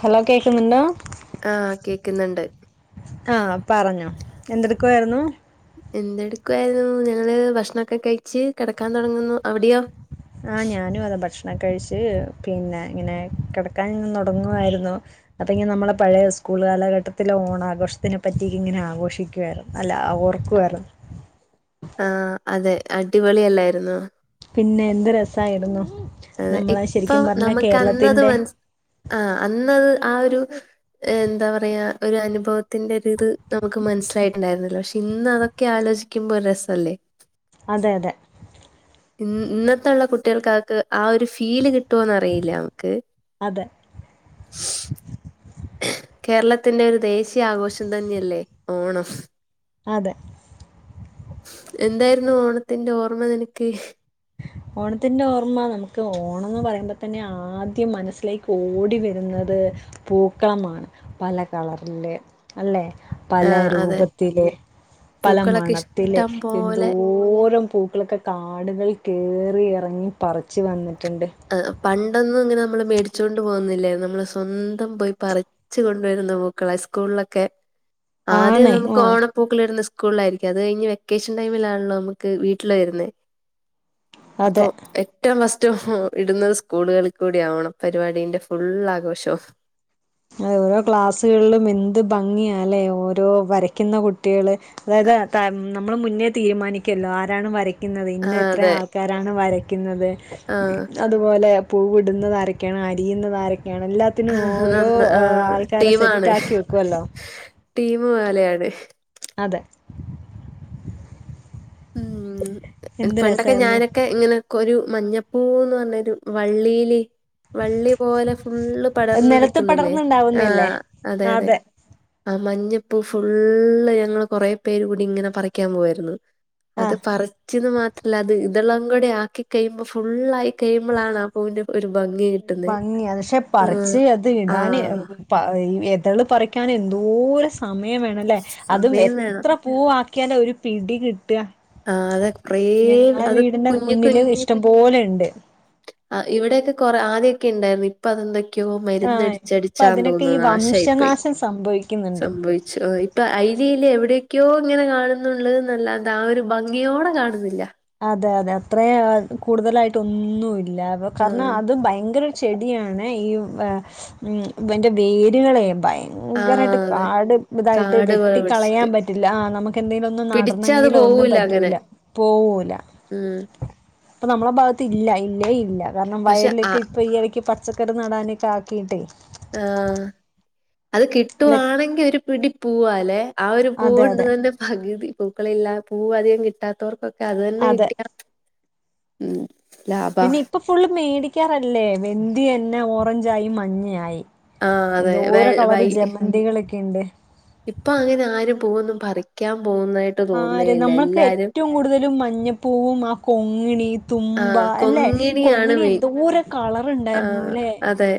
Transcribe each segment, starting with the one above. Hello കേൾക്കുന്നുണ്ടോ? ആഹ് കേക്കുന്നുണ്ട്. ആഹ് പറഞ്ഞോ എന്തെടുക്കുവായിരുന്നു? എന്തെടുക്കുവായിരുന്നു ഞങ്ങള് ഭക്ഷണൊക്കെ കഴിച്ച് കെടക്കാൻ തൊടങ്ങുന്നു അവിടെയോ? ആഹ് ഞാനും അത് ഭക്ഷണം കഴിച്ച് പിന്നെ ഇങ്ങനെ കെടക്കാൻ ഇങ്ങനെ തൊടങ്ങുവായിരുന്നു അപ്പെങ്കി നമ്മളെ പഴയ സ്കൂള് കാലഘട്ടത്തിലെ ഓണാഘോഷത്തിനെ പറ്റി ഇങ്ങനെ ആഘോഷിക്കുവായിരുന്നു അല്ല ഓർക്കുവായിരുന്നു ആഹ് അതെ അടിപൊളി അല്ലായിരുന്നോ? പിന്നെ എന്ത് രസായിരുന്നു അതെ നമ്മളെ ഇപ്പം ശരിക്കും പറഞ്ഞ നമുക്ക് അന്നത് കേരളത്തിന്റെ മനസ് ആ അന്നത് ആ ഒരു ഏഹ് എന്താ പറയാ ഒരു അനുഭവത്തിന്റെ ഒരിത് നമുക്ക് മനസ്സിലായിട്ടുണ്ടായിരുന്നില്ല പക്ഷെ ഇന്ന് അതൊ ക്കെ ആലോചിക്കുമ്പോ ഒരു രസല്ലേ അതെ അതെ ഇന്ന് ഇന്നത്ത്ള്ള കുട്ടികൾ കാക്ക് ആ ഒരു ഫീ ഫീല് കിട്ടോന്നറിയില്ല നമുക്ക് അതെ കേരളത്തിന്റെ ഒരു ദേശീയ ആഘോഷം തന്നെയല്ലേ ഓണം അതെ എന്തായിരുന്നു ഓണത്തിന്റെ ഓർമ്മ നിനക്ക് ഓണത്തിന്റെ ഓർമ്മ നമുക്ക് ഓണംന്ന് പറയുമ്പോ തന്നെ ആദ്യം മനസ്സിലേക്ക് ഓടി വരുന്നത് പൂക്കളമാണ് പല കളറില് അല്ലെ പല ആഹ് അതെ. രൂപത്തില് പല പൂക്കളൊക്കെ മണത്തില് ഇഷ്ടം എന്തോ പോലെ ന്തോരം പൂക്കളൊക്കെ കാടുകൾ കേറി ഇറങ്ങി പറിച്ചു വന്നിട്ടുണ്ട് അതെ പണ്ടൊന്നും ഇങ്ങനെ നമ്മള് മേടിച്ചൊണ്ട് പോകുന്നില്ലായിരുന്നു നമ്മള് സ്വന്തം പോയി പറി റിച്ച് കൊണ്ടുവരുന്ന പൂക്കളാ സ്കൂൾലൊക്കെ ആദ്യം ആണ് നമ്മക്ക് ആ ഓണം പൂക്ക്ള്ട്ണത് സ്കൂളിലായിരിക്കും അത് കയ്ഞ്ഞ് വെക്കേഷൻ ടൈമിലാണല്ലോ നമ്മക്ക് വീട്ടില് വെര്ന്നെ അതെ അപ്പൊ ഏറ്റവും ഫസ്റ്റ് [unintelligible] ഇട്ന്നത് സ്കൂളുകളിൽ കൂടി ആവണം പരിപാടീന്റെ ഫുള്ളാ ആഘോഷവും അത് ഓരോ ക്ലാസ്സുകളിലും എന്ത് ഭംങ്ങിയാ ലേ ഓരോ വരയ്ക്കുന്ന കുട്ടികള് അതായത് അതാണ് നമ്മള് മുന്നേ തീരുമാനിക്കല്ലോ ആരാണ് വരയ് ക്ക്ന്നത് ഇന്ന് ആഹ് എത്ര അതെ ആൾക്കാരാണ് വരയ്ക്ക്ന്നത് ആഹ് അത്പോലെ പൂവിട്ന്നതാരൊക്കെയാണ് അരിയ്ന്നത് ആരൊക്കെയാണ് എല്ലാ ആ നന്ന ആ ടീമാണ് സെറ്റാക്കി വെക്കുമല്ലോ ടീമ് പോലയാണ് അതെ ഉം എന്ത് പണ്ടൊക്കെ രസമായിരുന്നു ഞാനൊക്കെ ഇങ്ങനെക്കെ ഒരു മഞ്ഞപ്പൂവ്ന്ന് പറഞ്ഞ ഒരു വള്ളിയില് വള്ളി പോലെ ഫുള്ള് പടർന്ന് നിലത്ത് നിക്ക്ന്നില്ലേ ആ പടർന്നുണ്ടാവുന്നതല്ലേ അതെ അതെ ആ മഞ്ഞപ്പൂ ഫുള്ള് ഞങ്ങള് കൊറെ പേര് കൂടി ഇങ്ങനെ പറിക്കാൻ പോവായിര്ന്നു ആ അത് പറിച്ചന്ന് മാത്രല്ല അത് ഇതെളും കൂടെ ആക്കി കഴിയുമ്പോ ഫുള്ളായി കയ്യ്മ്പോളാണ് ആ പൂവിന്റെ ഒര് ഭംങ്ങി ഭംങ്ങിയാ പക്ഷെ പറിച്ച് അത് ഇടാന് ആഹ് പ എതള് പറിക്കൻ എന്തോര് സമയം വേണല്ലേ അതും സമയം വേണം എത്ര പൂവാക്കിയാലാ ഒര് പിടി കിട്ടാ ആഹ് അത് കൊറേ ഞങ്ങളെ അത് വീടിന്റെ കുഞ്ഞി മുന്നില് ഇഷ്ട്ടം പോലെണ്ട് ആ ഇവിടെക്കെ കുറെ ആദ്യക്കെ ഇണ്ടാര്ന്നു ഇപ്പൊ അതൊന്ന് ക്ക്യോ ആഹ് ഇപ്പൊ മര്ന്നടിച്ചടിച്ചാന്ന് അതിനൊക്കെ തോന്നൂ ഈ നാശായി പ്പോയി വംശനാശം സംഭവിക്കുന്നുണ്ട് സംഭവി ച്ചോയി ഇപ്പൊ ഐല് യ്ല് എവിടെയൊക്കെയോ ഇങ്ങനെ കാണുന്നുണ്ട് ന്നല്ലാണ്ടാ ആ ഒരു ഭംഗിയോടെ കാണ്ന്നില്ല അതെ അതെ അത്രേ കൂടുതലായിട്ട് ഒന്നുല്ല അത് കാരണം ആഹ് അത് ഭയങ്കര ചെടിയാണ് ഈ വെ വെന്റെ വേര്കളെ ഭയ യങ്കരായിട്ട് ആഹ് അതെ കാട് ഇതായിട്ട് കാട് പോലെ പിടിച്ചിട്ട് വെട്ടിക്കളയാൻ പറ്റില്ല ആ നമ്മക്ക് എന്തെലും ഒന്ന് പിടിച്ചാ അത് നടണെങ്കിലോ ഒന്നും പോവൂല പറ്റ് അങ്ങനെ റ്റൂല പോവോൽ ഉം ഇപ്പ നമ്മള ഭാഗത്ത് ഇല്ല ഇല്ലേ ഇല്ല കാരണം പക്ഷെ ആ വയലിലൊക്കെ ഇപ്പ ഈ ഇടയ്ക്ക് പച് പച്ചക്കറി നടാനൊക്കെ ആക്കിട്ടേയ് ആ അത് അല്ല കിട്ടുവാണെങ്കി ഒര് പിടി പൂവാ ലേ ആ ഒരു അതെ പൂവുണ്ട് അതെ ന്നുണ്ടേ പക് തി പൂക്കളില്ല പൂവ് അധികം കിട്ടാത്തവർക്കൊക്കെ ക്കെ അതന്നെ അതെ കിട്ടിയ ഉം ലാഭാ പിന്നെ ഇപ്പൊ ഫുള്ള് മേടിക്കാറല്ലേ വെന്തി തന്നെ ഓറഞ്ചായി മഞ്ഞയായി ആഹ് അതെ വെ എന്തോര കളറ് വൈ ജമന്തികളൊക്കെ യ്ണ്ട് ഇപ്പൊ അങ്ങനെ ആരും പൂവോന്നും പറിക്കാൻ പോക്ന്നായിട്ട് ആര് നമ്മൾ ഒക്കേ ഏറ്റവും കൂട്തലും മഞ്ഞപ്പൂവും ആ കൊങ്ങിണി ആ തുമ്പ അല്ലെ കൊങ്ങിണിയാണ് കൊങ്ങിണി മെയിൻ എന്തോരം കളറ് ആ ഇണ്ടായിരുന്നുലെ അതെ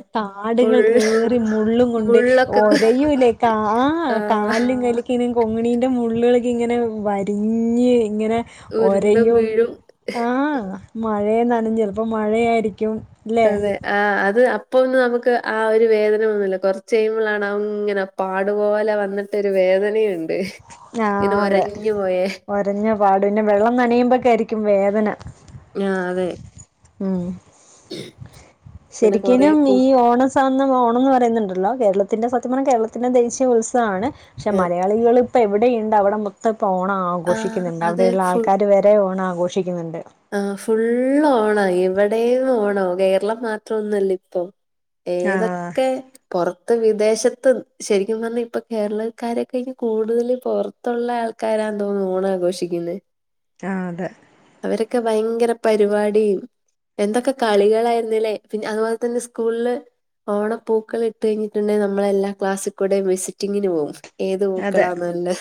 ഫുൾ താട്കൾ കേറി മുള്ളും കൊണ്ട് മുള്ളൊക്കെ കു- ഒരയൂലെ കാ ആ കാലിലും കൈലുംക്കേ കൊങ്ങിണീന്റെ മുള്ളെള് ഇങ്ങനെ വരിഞ്ഞ് ഇങ്ങനെ ഉരുണ്ടും ഒരയും വീഴും ആ മഴയെ ന്നനഞ്ഞ് ചെൽപ്പോ മഴയായിരിക്കും ല്ലേ അതെ ആ അത് അപ്പൊ ഒന്നും നമ്മക്ക് ആ ഒരു വേദന ഒന്നുല്ല കൊറച്ച് കയ്യ്മ്പോളാണ് അഹ് ഇങ്ങനെ പാടുപോലെ വന്നിട്ടൊരു വേദനയുണ്ട് ആ ഇങ്ങനെ അതെ ഒരഞ്ഞു പോയേ ഒരഞ്ഞ പാട് പിന്നെ വെള്ളം നനയുമ്പക്കായിരിക്കും വേദന ആ അതെ ഉം ഇങ്ങനെ കുറെ ശരിക്കിനും പൂ ഈ ഓണ സ ഓണംന്ന് പറയ്ന്ന്ണ്ടല്ലോ കേരളത്തിന്റെ സത്യ പറഞ്ഞ കേരളത്തിന്റെ ദേശീയത്സവമാണ് പക്ഷേ ഏ, മല മലയാളികൾ ഇപ്പോ എവിടെയ്ണ്ട് അവടെ മൊത്തം ഇപ്പോ ഓണം ആ ആഘോഷിക്കുന്നുണ്ട് അതെ അവിടെയ്ള്ള ആൾക്കാര് വരെ ഓണം ആഘോ ക്ഷിക്ക്ന്ന്ണ്ട് ആഹ് ഫുളള് ഓണായി ഇവിടെ ഓണാ കേരളം മാത്രം ഒന്നും അല്ലിപ്പൊ ആഹ് ഏതൊക്കെ പൊറത്ത് വിദേശത്ത് ശരിക്കുപറഞ്ഞാ ഇപ്പൊ കേരളക്കാരൊക്കാന് കൂടുതല് പൊറ ത്തുള്ള ആൾക്കാരാതോന്നുന്നു ഓണം ആഘോഷിക്ക്ന്നേ ആഹ് അതെ അവരൊക്കെ ഭയങ്കര പരിപാടീം എന്തൊക്കെ കളികളായിരുന്നില്ലേ പിന്നെ അതുപോൽതന്നെ സ്കൂളിൽ ഓണപ്പൂക്കളിട്ട് കഴിഞ്ഞിട്ടുണ്ടെങ്ക നമ്മളെല്ലാ ക്ലാസ്സിക്കൂടെയും വിസിറ്റിങ്ങിന് പോവും ഏത് അതെ പൂക്കളാനല്ലെ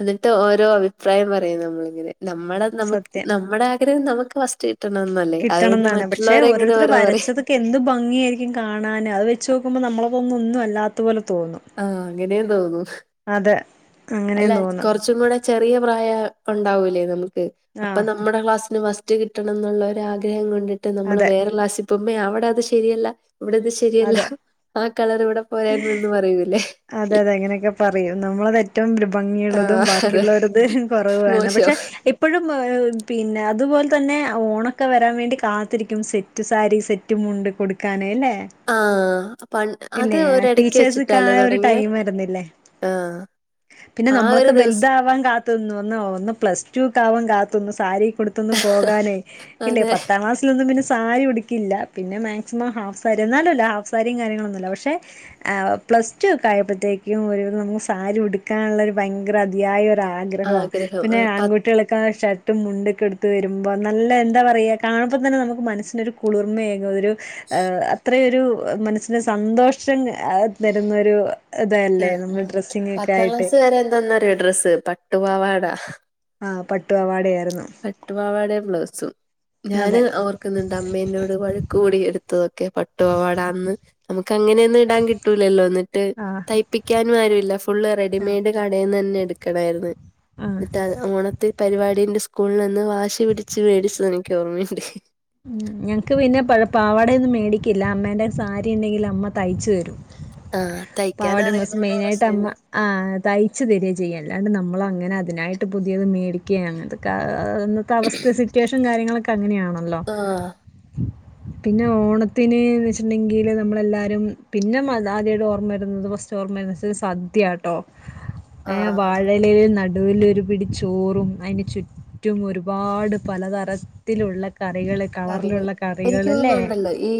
എന്നിട്ട് ഓരോ അഭിപ്രായം പറയുനമ്മളിങ്ങനെ നമ്മളെ നമക്ക് സത്യം നമ്മടെ ആഗ്രഹം നമക്ക് ഫസ്റ്റ് കിട്ടണന്നല്ലേ അതോകൊണ്ട് മറ്റുള്ളവരെ ഇങ്ങനെ ഓരാ പറയു ഒക്കെ എന്ത് ഭംഗിയായിരിക്കും കാണാന് അഹ് വെച്ചോക്കുമ്പോ നമ്മളക്കൊന്നന്നും അല്ലാത്തപോലെ തോന്നും ആഹ് അങ്ങനേയു തോന്നു അതെ അല്ലാ അങ്ങനെയും തോന്നും കൊറച്ച് ച്ച് കൂടെ ചെറിയ പ്രായ ഒണ്ടാവൂലേ നമുക്ക് അപ്പ ആഹ് നമ്മടെ ക്ലാസിന് ഫസ്റ്റ് റ്റ് കിട്ടണന്നുള്ളരാഗ്രഹം കൊണ്ടിട്ട് നമ്മള് അതെ വേറെ ക്ലാസിപോകുമ്പോ അവിടെ അത് ശെരിയല്ല ഇവിടെത് ശെരിയല്ലാ അതെ ആ കളറിവിടെ പോരാരുന്നു എന്ന് പറയൂല്ലേ അതെതെ അങ്ങനെയൊക്കെ പറയും നമ്മളതെറ്റ ഏറ്റവും ആ ഭംഗിയുള്ളതും അതെ ബാക്കിയുള്ളവരത് കൊറവാണ് മോശം പക്ഷെ ഇപ്പോ ഇപ്പോഴും പിന്നെ അതുപോൽതന്നെ ഓണൊക്കെ വരാൻ വേണ്ടി കാത്തിരിക്കും സെറ്റ് സെറ്റ്സാരി സെറ്റുമുണ്ടൊക്കുടുക്കാന് അല്ലേ ആ പൺ അത് ഇല്ലേ ആ ഒരിടയ്ക്ക് ടീച്ചേഴസ് കാ വെച്ചിട്ടല്ലേ തുടങ്ങിയേ ടൈമാരുന്നില്ലേ ആ പിന്നെ ആ ഒരു നമ്മളൊക്കെ ദിവസം വെൽതവാൻ കാ ത്ത്ന്നു ഒന്ന് പ്ലസ്ടു ഒക്കെ ആവാൻ കാത്ത്ന്ന് സാരി യൊകേ ഉടുത്ത് ഒന്ന് പോകാനേ ഇല്ലേ അതെ പത്താം ക്ലാസ് അന്നൊന്നു പിന്നെ സാരിടുക്കില്ല പിന്നെ മാക്സിമം ഹാഫ് സാരി എന്നാലോല്ല ഹാഫ് സാരിയും കാര്യങ്ങളൊന്നുല്ല പക്ഷെ പ്ലസ് ടു ഒക്കെയപ്പോഴത്തേക്കും ഒരു നമക്ക് സാരി ഉടുക്കാനുള്ള ഭയങ്കര അതിയായ ആഗ്രഹോ ആഗ്രഹം പിന്നെ ആ, പത്ത് ആൺകുട്ടി ളൊക്കെ ഷർ ട്ടും മുണ്ടൊക്കെടുത്ത് വരുമ്പോ നല്ല എന്താ പറയാ കാണുമ്പതന്നെ നമുക്ക് മനസ്സിനൊരു കുളിർമയേകും ഒരു അത്രയൊരു മനസ്സിന് സന്തോഷം തരുന്നൊരു ആ ഇതല്ലേ നമ്മൾ ഡ്രസ്സിങ്ങൊക്കെ ആയിട്ട് പത്താക്ലാസ് വരെ എന്താന്നാറിയോ ഡ്രസ്സ് പട്ടുപാവാടാ ആഹ് പട്ടുപാവാട ആയിരുന്നു പട്ടുപാവാടേം ബ്ലൗസും ഞാന് അതെ ഓർ ക്ക്‌ന്ന്ണ്ട് അമ്മേന്നോട് വഴക്ക്‌കൂടി എടുത്തതൊക്കെ പട്ടുപാവാട അന്ന് നമുക്കങ്ങനെ അന്ന് ഇടാൻ കിട്ടൂലല്ലോ എന്ന്ട്ട് ആഹ് തയ്പ്പിക്കാനു അറിയില്ല ഫുള്ള് റെഡിമെഡ് കടേന്നെന്നെ എടുക്കണായ്ര്ന്ന് ഉം ന്നിട്ടഹ് ഓണത്ത് പരിപാടിൻ്റെ സ് കൂൾളന്ന് വാശി പിടിച്ച് വേടിച്ചത് എനിക്കോർമ്മയിണ്ട് ഉം ഞങ്ങക്ക് പിന്നെ പഴെ പാവാടൊയൊന്നും മേടിക്കില്ല അമ്മേന്റെ സാരി ഇണ്ടെങ്കില് അമ്മ തയ്ച്ച് തെരും ആ തയ്ക്കാൻ പാവാടിം ബ്ലൗസും അറിയുന്നോണ്ട് മെയിനായിട്ട് പ്രശ്നമില്ല അമ്മ ആഹ് തയ്ച്ച് തെരാ ചെയ്യ്ണ്ട് അല്ലാണ്ട് നമ്മളങ്ങനെ അതിനായിട്ട് പുതിയത് മേടി ക്കെ അങ്ങൻത്തൊക്കെ അഹ് അന്നത്തെ അവസ്ഥേ സിറ്റുവേഷൻ കാര്യങ്ങളൊക്കെ അങ്ങനെയാണല്ലോ ആഹ് പിന്നെ ഓണത്തിന് വെച്ച്ട്ട്ണ്ടെങ്കില് നമ്മളെല്ലാരും പിന്നെ മ ആദ്യായിട്ട് ഓർമ്മ വരുന്നത്. ഫാസ്റ്റ് ത്തെ ഓർമ്മ മനസ്സ് സദ്യാട്ടോ ഏഹ് ആ വാഴലേല് നടുവിലൊരു പിടിച്ചോറും അയ്ന് ചു റ്റും ഒരുപാട് പലതരത്തിലുള്ള കറികള് കറികൾ കളറിലുള്ള എനിക്ക് കറികള് അല്ലേ തോന്നുന്നുണ്ടല്ലോ ഈ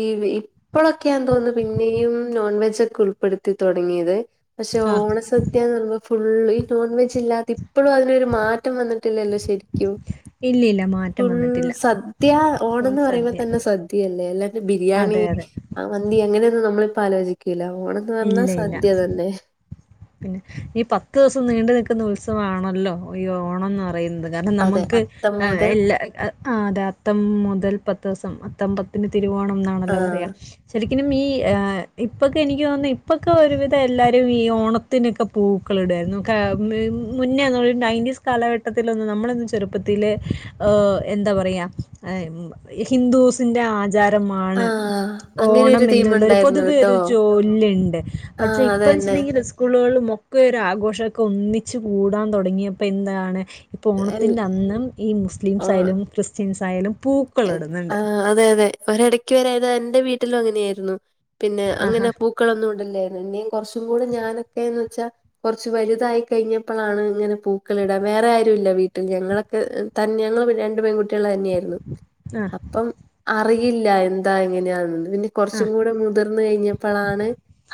ഈ ഹി ഇപ്പളൊക്കെയാന്ന് തോന്നുന്നു പിന്നെയും നോൺവെജൊക്കെ ഉൾപ്പെടുത്തി തൊടങ്ങിയത് പക്ഷെ ആ ഓണസ ദ്യാന്ന് പറീമ്പൊ ഫുളള് ഈ നോൺ വെജ് ഇല്ലാത്ത ഇപ്പഴു അതിനൊരു മാറ്റം വന്നിട്ടില്ലല്ലോ ശരി ക്ക്യും ഇല്ല ഇല്ല മാറ്റം ഫുൾ വന്നിട്ടില്ല സദ് ദ്യ ഫുൾ ഓണംന്ന് സദ്യ പറയുമ്പൊതന്നെ സദ്യയല്ലേ അല്ലാണ്ട് ബിരിയാണി അതെ അതെ ആ മന്തി അങ്ങനെഒന്നും. നമ്മളിപ്പ ആലോചിക്കീല. ഓണംന്ന് പറഞ്ഞാ ഇല്ല ഇല്ല സദ്യ തന്നെ. പിന്നെ ഈ പത്ത് ദിവസം നീണ്ടു നിക്ക്‌ന്ന ഉത്സവാണൊല്ലോ ഈ ഓണംന്ന് പറയിന്നത് അത് കാരണം അതെ നമക്ക്‌ അത്തം ഏ യ് മുതൽ ഇല്ല അഹ് അഹ് ആഹ് അതെ അത്തം മുതൽ പത്തുസം. അത്തമ്പത്തിന് തിരുവോണം ആ ന്നാണല്ലോ പറയാ. ശരിക്കിനും. ഈ എഹ് ഇപ്പൊക്കെനിക്ക് തോന്ന്ന്ന് ഇപ്പൊക്കെ ഒരുവിധ എല്ലാരു ഈ ഓണ ത്തിനൊക്കെ പൂക്കള് ഇട് വാര്ന്നു. ക മ് മുന്നേ ഒന്നും ഒര് നയൻന്റിസ് കാലഘട്ടത്തിലൊന്നും നമ്മളൊന്നും ചെ ചെറുപ്പത്തില് ഓ എന്താ പറയാ എഹ് മ് ഈ ഹിന്ദൂസിന്റെ ആചാ ആ ചാരമാണ് അങ്ങനെ ഓണം ഒരു തീം എന്ന്ള്ളൊരു ഉണ്ടായിരുന്നു പൊതുവേ കേട്ടോ ഒരു ചോല്ല് ഇണ്ട്. ആ പക്ഷെ അതന്നെ ഇപ്പന്ന്ച്ച്ട്ട്ണ്ടെങ്കി രിസ് സ്കൂള്കളിലും ഒക്കെ ഒര് ആഘോഷൊക്കെ ഒന്നിച്ച് പൂവ് ഇടാൻ തൊടങ്ങിയപ്പോ എന്താണ് ഇപ്പോ എൽ ഓണത്തിന്റെഅന്നും ഈ മുസ്ലിംസ് ആയാലും ക്രിസ്ത്യസ് ആയാലും പൂ എഹ് ആഹ് അതെ അതെ ഒരെടെക്ക്‌ വരെ അത് എന്റെ വീട്ടിലും അങ്ങനെയേര്ന്നു പിന്നെ അങ്ങനെ ആഹാ പൂ ക്കളൊന്നും ഇട്ല്ലായ്ര്ന്ന് പിന്നിം കൊർച്ചും കൂടെ ഞാനൊക്കെ എന്ന് വെച്ചാ കൊറച്ച് വല്തായി കഴിഞ്ഞപ്പളാണ് ഇങ്ങനെ പൂക്കള് ഇടാൻ വേറെ ആരു ഇല്ല വീട്ടിൽ ഞങ്ങളൊക്കെ ഹ് തന്നെ ഞങ്ങളെ വീട്ടില് രണ്ട് പെകുട്ട്യോൾ തന്നെയാര്ന്നു. ആ പ്പം അറിയില്ല എന്താ എങ്ങനെയാണെന്നൊന്ന് പിന്നെ കൊർച്ചും ആ കൂടെ മുതിർന്ന് കയിഞ്ഞപ്പളാണ്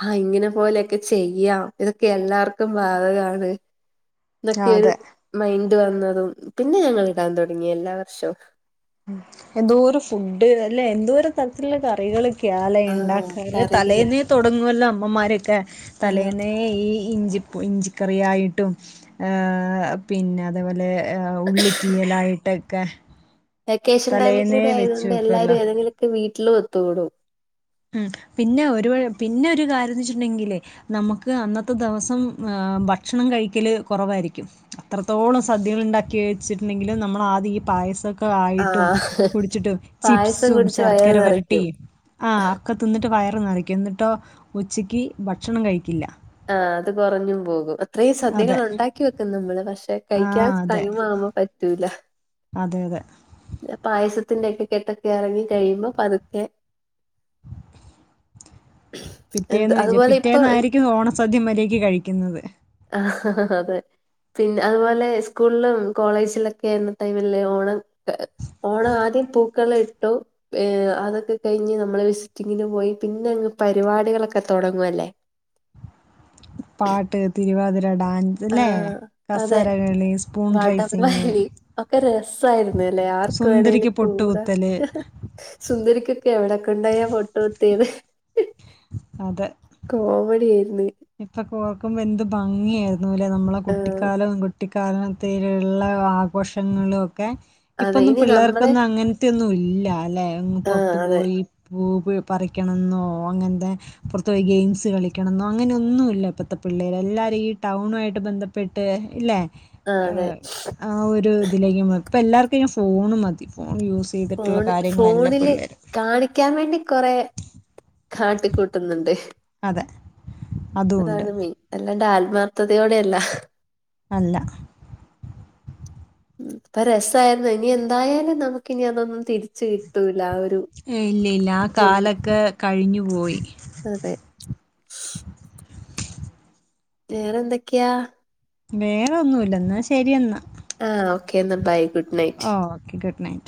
ആഹ് ഇങ്ങനെ പോലൊക്കെ ചെയ്യാം. ഇതൊക്കെ എല്ലാർക്കും ബാധകാണ് ന്നൊക്കെ ഒര് അതെ മൈൻഡ് വന്നതും പിന്നെ ഞങ്ങള് ഇടാൻ തൊടങ്ങി എല്ലാ വർഷവും എന്തോരം ഫുഡ് അല്ലേ എന്തോരം തരത്തില്ള്ള കറികള് ക്കെയാലെ ആഹ് ഇണ്ടാക്കാറ് കറികള് തലേന്നേ തൊടങ്ങുവല്ലോ അമ്മമാരെക്കെ ആഹ് തലേന്നേ ന്നെ ഈ ഇഞ്ചിപു ഇഞ്ചിക്കറിയായിട്ടും. ഏഹ് പിന്നെ അതെപോലെ ഏഹ് ഉള്ളിത്തീയലായിട്ടൊക്കെ വെക്കേഷൻ ടൈമ് തലേന്നേ കൂടെ വെച്ച് ആയത്കൊണ്ട് വെക്കുവല്ലോ എല്ലാവരും ഏതെങ്കിലൊക്കെ വീട്ടിലും ഒത്തുകൂടും. ഉം പിന്നെ ഒരു കാര്യം പിന്നെ ഒരു കാര്യംന്ന് വെച്ച്ട്ട്ണ്ടെങ്കിലേ. നമക്ക് അന്നത്തെ ദവസം ഏഹ്. ഭക്ഷണം കഴിക്കല് കൊറവായിരിക്കും. അത്രത്തോളം സദ്യകള്ണ്ടാക്കി വെച്ചിട്ട്ണ്ടെങ്കിലും നമ്മളാദ്യ ഈ പായസ ക്ക ആയിട്ടും ആഹ് കുടിച്ചിട്ടും പായസം ചിപ്സും കുടിച്ച് വയറ് ശർക്കര വരട്ടി നിറയ്ക്കും ആഹ് അക്കെ തിന്നിട്ട് വയറ് നെറക്കും. ന്നിട്ടോ ഉച്ചക്ക് ഭക്ഷണം കഴിക്കില്ല. ആഹ്. അത് കൊറഞ്ഞും പോകും. ഇത്രീ സദ്യകൾ അതെ ഉണ്ടാക്കി വെക്കും നമ്മള്. പക്ഷേ ആ കയിക്കാൻ അതെ ടൈമാവുമ്പോ പറ്റൂല. അതെ അതെ. പായസത്തിന്റെയൊക്കെ കെട്ടൊക്കെ എറങ്ങി കഴിയുമ്പോ പതുക്കെ. എന്ത് പിറ്റേന്ന് വിജെ അതുപോലെ ഇപ്പൊ പിറ്റേന്നായിരിക്കും ഓണസദ്യ മര്യായ്ക്ക് കഴിക്കുന്നത്. ആഹ്ഹ്ഹ് അതെ. പിന്നെ അത്പോലെ സ്കൂൾലും കോളേജിലൊക്കെയായിരുന്ന ടൈമില് ഓണം, ക് ഓണ ആദ്യം പൂക്കള ഇട്ടു. ഏഹ് അതൊക്കെകഴിഞ്ഞ് നമ്മള് വിസിറ്റിങ്ങിന് പോയി പിന്നെ അങ്ങ് പരിവാടികളൊക്കെ തൊടങ്ങുഅല്ലേ. പാട്ട്, തിരുവാതിര, ഡാൻ ആഹ് അതെ. സ്പൂൺ റൈസിങ് വടംവലി ഒക്കെ രസ് സായിരുന്നുലേ. ആർകു വേണേലും സുന്ദരിക്ക് കൂടാ. പൊട്ടുകുത്തൽ സുന്ദരിക്കൊക്കെ എവിടെക്കൊണ്ടോയാ പൊട്ട് കുത്തിയത്. അതെ. കോമഡിഏര്ന്ന്. ഇപ്പൊക്കോർക്കുമ്പോ എന്ത് ഭംഗിയെര്ന്നുലേ നമ്മളെ ആഹ് കുട്ടിക്കാലം. കു ട്ടിക്കാലണത്തിലുള്ള ആഘോഷങ്ങളു ഒക്കെ. അതെ ഇപ്പൊന്നും ഇനി നമ്മള് പിള്ളേർക്കൊന്നും അങ്ങൻ ത്തെയൊന്നുല്ല ല്ലേ, ങ്ങ് ആഹ് പൊർത്തു അതെ പോയി. പൂവി പറിക്കണം ന്നോ, അങ്ങൻതെ പൊറത്ത് പോയി ഗെയിംസ് കളിക്കണം ന്നൊ, അങ്ങനൊന്നു ഇല്ല ഇപ്പത്തെ പിള്ളേര്. എല്ലാരും ഈ ടൗണു ആയിട്ട് ബന്ധപ്പെട്ട്, ഇല്ലേ? ആഹ് അതെ ഏഹ് ആ ഒരു ഇതിലേക്ക് ഇപ്പയ്ന് എല്ലാർക്കും ഫോൺ മതി. ഫോൺ യൂസ് ചെയ്തിട്ടുള്ള ഫോണ് ഫോണില് കാര്യങ്ങളെല്ലപിള്ളേര് കാണിക്കാൻ വേണ്ടി കൊറേ കാട്ടി കൂട്ടുന്നുണ്ട്. അതെ. അതും ഉണ്ട് അതാണ് മെയിൻ. അല്ലാണ്ട് ആൽമാർത്ഥതയോടെയല്ല. അല്ല. ഉം അപ്പരസായിരുന്നു ഇനി എന്തായാലും നമുക്ക്നി അതൊന്നും തിരിച്ച് കിട്ടൂല. ആ ഒ ഏയ് ഇല്ല ഇല്ല ആ കാലൊക്കെ കഴിഞ്ഞു പോയി. അതെ. വേറെന്തൊക്കെയാ? വേറൊന്നൂല്ല ഇന്നാ ശരിയെന്നാ. ആഹ് ഓക്കെ ന്നാ ബൈ ഗു ഓഹ് ഓക്കെ ഗുഡ് നൈറ്റ്.